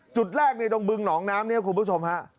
จุดแรกในตรงบึงหนองน้ำเนี่ยคุณผู้ชมฮะ